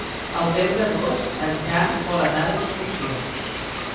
El deu d'agost en Jan vol anar d'excursió.